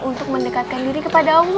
untuk mendekatkan diri kepada allah